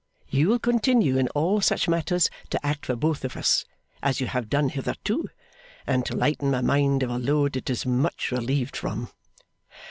You will continue in all such matters to act for both of us, as you have done hitherto, and to lighten my mind of a load it is much relieved from.